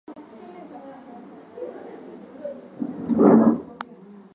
Utahitaji kisu wa kupikia viazi lishe